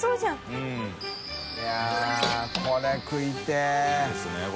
い笋これ食いてぇ。